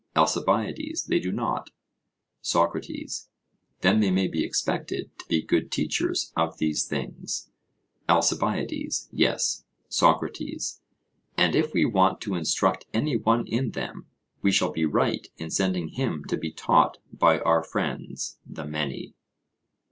ALCIBIADES: They do not. SOCRATES: Then they may be expected to be good teachers of these things? ALCIBIADES: Yes. SOCRATES: And if we want to instruct any one in them, we shall be right in sending him to be taught by our friends the many?